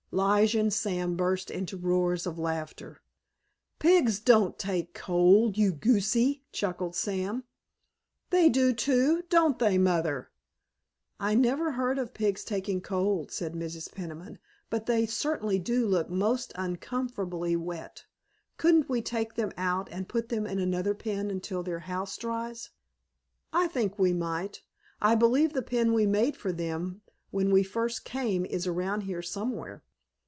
Lige and Sam burst into roars of laughter. "Pigs don't take cold, you goosie!" chuckled Sam. "They do, too, don't they, Mother?" "I never heard of pigs taking cold," said Mrs. Peniman, "but they certainly do look most uncomfortably wet. Couldn't we take them out and put them in another pen until their house dries?"' "I think we might. I believe the pen we made for them when we first came is around here somewhere."